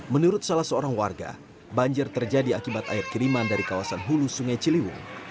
menurut salah seorang warga banjir terjadi akibat air kiriman dari kawasan hulu sungai ciliwung